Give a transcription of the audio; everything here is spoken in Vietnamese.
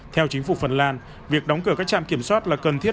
theo chính phủ phần lan việc đóng cửa các trạm kiểm soát là cần thiết